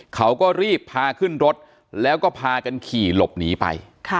เขาก็รีบพาขึ้นรถแล้วก็พากันขี่หลบหนีไป